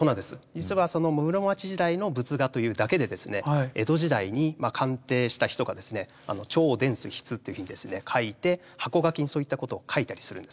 実はその室町時代の仏画というだけで江戸時代に鑑定した人が「兆殿司筆」というふうに書いて箱書きにそういったことを書いたりするんですね。